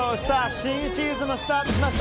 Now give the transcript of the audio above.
新シーズンがスタートしました！